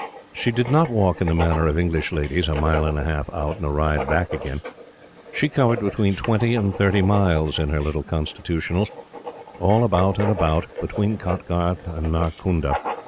She did not walk in the manner of English ladies a mile and a half out, and a ride back again. She covered between twenty and thirty miles in her little constitutionals, all about and about, between Kotgarth and Narkunda.